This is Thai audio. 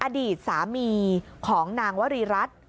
อดีตสามีของนางวรีรัฐ